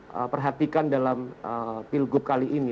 yang harus kita perhatikan dalam pilgub kali ini